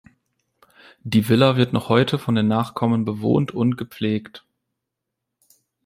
Die Villa wird noch heute von den Nachkommen bewohnt und gepflegt.